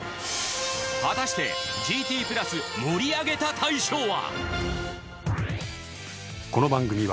果たして「ＧＴプラス」盛り上げた大賞は！？